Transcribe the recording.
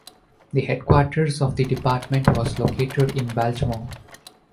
The headquarters of the department was located in Baltimore.